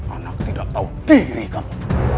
anak tidak tahu diri kamu